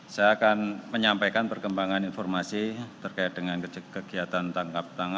saya akan menyampaikan perkembangan informasi terkait dengan kegiatan tangkap tangan